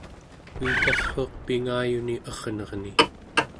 uitallruuq pingayuni ernerni